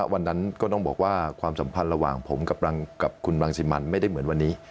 วันนั้นก็ต้องบอกว่าความสัมพันธ์ระหว่างผมกับคุณรังสิมันไม่ได้เหมือนวันนี้